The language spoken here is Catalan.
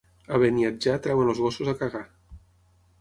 A Beniatjar treuen els gossos a cagar.